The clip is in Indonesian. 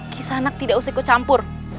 kisana tidak usah ikut campur